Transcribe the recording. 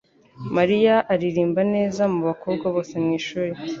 Mariya aririmba neza mubakobwa bose mwishuri.